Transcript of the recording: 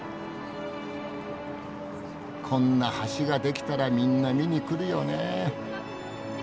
こんな橋が出来たらみんな見に来るよねえ。